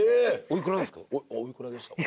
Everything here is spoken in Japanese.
おいくらでしたか？